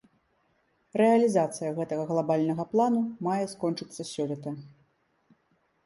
Рэалізацыя гэтага глабальнага плану мае скончыцца сёлета.